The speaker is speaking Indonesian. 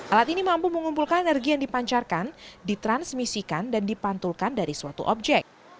alat ini mampu mengumpulkan energi yang dipancarkan ditransmisikan dan dipantulkan dari suatu objek